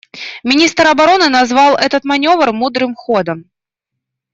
Министр обороны назвал этот маневр мудрым ходом.